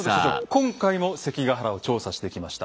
今回も関ヶ原を調査してきました。